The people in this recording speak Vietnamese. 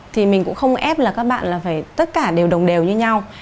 thì mình cũng không ép là các bạn là phải tất cả đều đồng đều như nhau